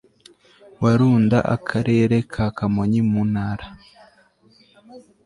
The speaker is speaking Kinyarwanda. wa runda akarere ka kamonyi mu ntara